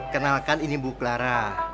kenalkan ini bu clara